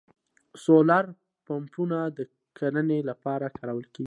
سولر پمپونه د کرنې لپاره کارول کیږي